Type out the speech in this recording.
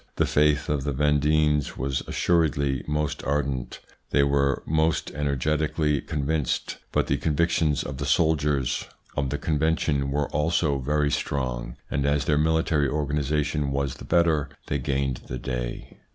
The faith of the Vendeans was assuredly most ardent, they were most energeti cally convinced ; but the convictions of the soldiers 13 178 THE PSYCHOLOGY OF PEOPLES: of the Convention were also very strong, and as their military organisation was the better, they gained the day.